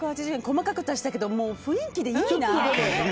細かく足したけど雰囲気でいいな。